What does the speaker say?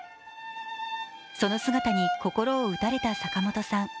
その姿に心を打たれた坂本さん。